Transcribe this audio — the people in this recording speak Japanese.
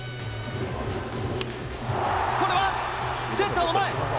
これはセンターの前。